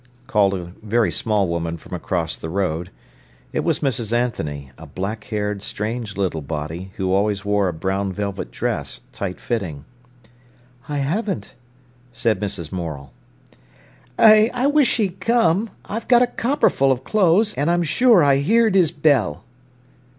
called a very small woman from across the road. It was Mrs. Anthony, a black haired, strange little body, who always wore a brown velvet dress, tight fitting. "I haven't," said Mrs. Morel. "Eh, I wish he'd come. I've got a copperful of clothes, an' I'm sure I heered his bell."